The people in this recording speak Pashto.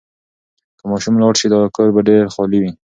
که ماشوم لاړ شي، دا کور به ډېر خالي وي.